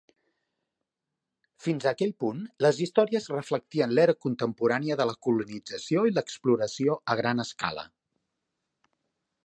Fins a aquell punt, les històries reflectien l'era contemporània de la colonització i l'exploració a gran escala.